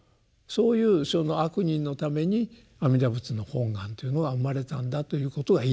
そういうその「悪人」のために阿弥陀仏の本願というのが生まれたんだということが言いたいわけですね。